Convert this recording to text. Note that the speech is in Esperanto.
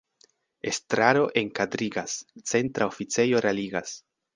Estraro enkadrigas, centra oficejo realigas.